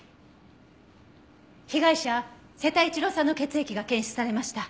被害者瀬田一郎さんの血液が検出されました。